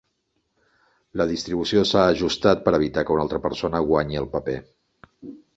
La distribució s'ha ajustat per evitar que una altra persona guanyi el paper.